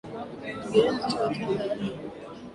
wakurugenzi watendaji wa benki kuu wanateuliwa na raisi